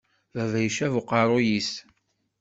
Baba icab uqerru-s.